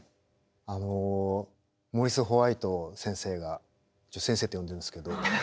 あのモーリス・ホワイト先生が先生って呼んでるんですけど。